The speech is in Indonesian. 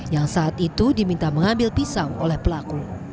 yang saat itu diminta mengambil pisang oleh pelaku